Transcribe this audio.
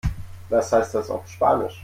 Was heißt das auf Spanisch?